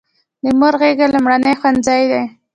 د مور غیږه لومړنی ښوونځی دی.